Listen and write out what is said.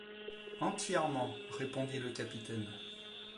Entièrement, répondit le capitaine.